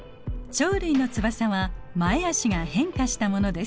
鳥類の翼は前あしが変化したものです。